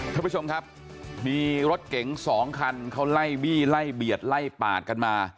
ท่านผู้ชมครับมีรถเก๋งสองคันเขาไล่บี้ไล่เบียดไล่ปาดกันมา